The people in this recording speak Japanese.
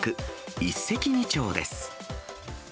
一石二鳥です。